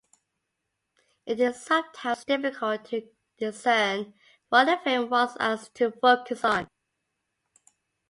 It is sometimes difficult to discern what the film wants us to focus on.